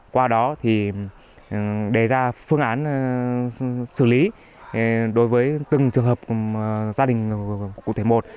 qua đó thì đề ra phương án xử lý đối với từng trường hợp gia đình cụ thể một